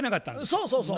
そうそうそう。